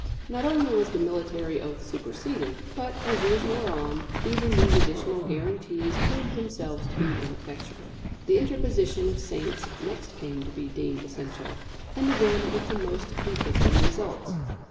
Not only was the military oath superseded; but, as years wore on, even these additional guarantees proved themselves to be ineffectual. The interposition of saints next came to be deemed essential, and again with the most conflicting results.